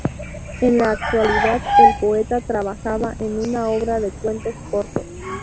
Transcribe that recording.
En la actualidad el poeta trabaja en una obra de cuentos cortos.